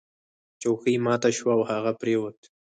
چوکۍ ماته شوه او هغه پریوت.